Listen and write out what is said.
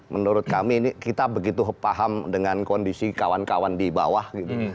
menurut kami ini kita begitu paham dengan kondisi kawan kawan di bawah gitu